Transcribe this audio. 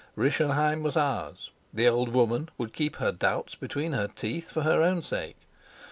Rischenheim was ours; the old woman would keep her doubts between her teeth for her own sake.